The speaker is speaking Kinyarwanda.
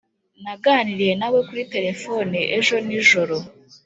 naganiriye nawe kuri terefone ejo nijoro.